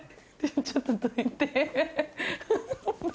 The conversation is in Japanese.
ちょっとどいてフフフ。